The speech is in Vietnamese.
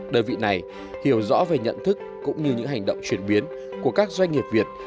đơn vị này hiểu rõ về nhận thức cũng như những hành động chuyển biến của các doanh nghiệp việt